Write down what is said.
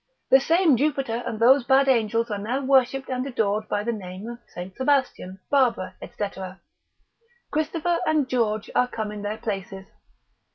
The same Jupiter and those bad angels are now worshipped and adored by the name of St. Sebastian, Barbara, &c. Christopher and George are come in their places.